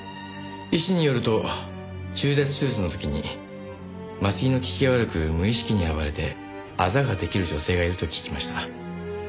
医師によると中絶手術の時に麻酔の効きが悪く無意識に暴れてアザが出来る女性がいると聞きました。